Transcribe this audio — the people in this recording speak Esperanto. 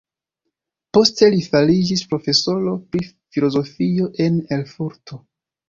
Poste li fariĝis profesoro pri filozofio en Erfurto.